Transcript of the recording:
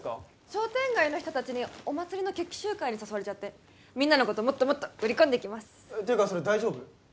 商店街の人達にお祭りの決起集会に誘われちゃってみんなのこともっともっと売り込んできますていうかそれ大丈夫？